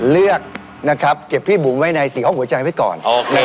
เลือกนะครับเก็บพี่บุ๋มไว้ใน๔ห้องหัวใจไว้ก่อน